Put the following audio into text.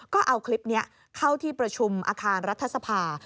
ก็เอาคลิปนี้เข้าที่ประชุมอาคารรัฐสภา